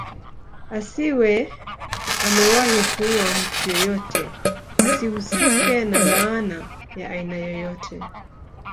Asiwe amewahi kuua mtu yoyote asihusike na laana ya aina yoyote